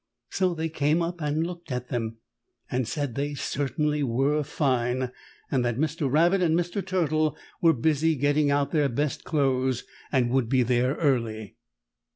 So they came up and looked at them, and said they certainly were fine, and that Mr. Rabbit and Mr. Turtle were busy getting out their best clothes, and would be there early.